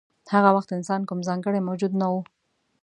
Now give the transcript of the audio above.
هغه وخت انسان کوم ځانګړی موجود نه و.